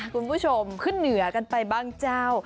คุณผู้ชมขึ้นเหนือกันไปบ้างเจ้า